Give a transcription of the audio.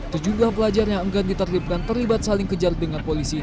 sejumlah pelajar yang enggan ditertibkan terlibat saling kejar dengan polisi